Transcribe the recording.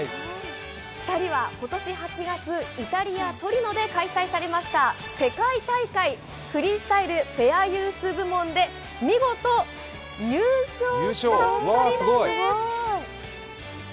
二人は今年８月、イタリア・トリノで開催されました世界大会、フリースタイルペアユース部門で見事、優勝したお二人なんです。